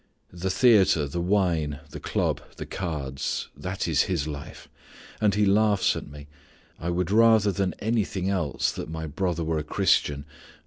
The theatre, the wine, the club, the cards that is his life. And he laughs at me. I would rather than anything else that my brother were a Christian.